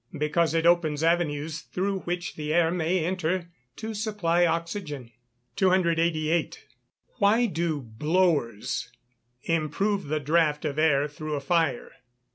_ Because it opens avenues through which the air may enter to supply oxygen. 288. _Why do "blowers" improve the draft of air through a fire?